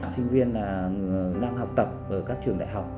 sinh viên là năng học tập ở các trường đại học